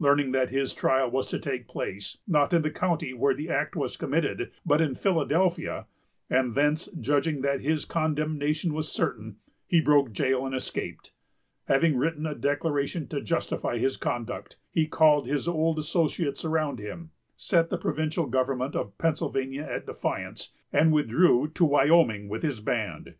Learning that his trial was to take place, not in the county where the act was committed, but in Philadelphia, and thence judging that his condemnation was certain, he broke jail and escaped. Having written a declaration to justify his conduct, he called his old associates around him, set the provincial government of Pennsylvania at defiance, and withdrew to Wyoming with his band.